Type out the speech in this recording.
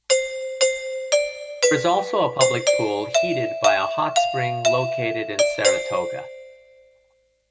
There is also a public pool heated by a hot spring located in Saratoga.